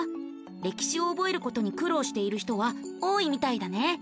歴史を覚えることに苦労している人は多いみたいだね。